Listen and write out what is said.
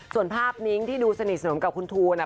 ส่วนภาพนิ้งที่ดูสนิทสนมกับคุณทูนะ